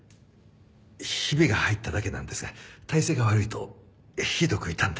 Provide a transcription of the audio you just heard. ヒビが入っただけなんですが体勢が悪いとひどく痛んで。